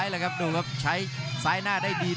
ยังไงยังไง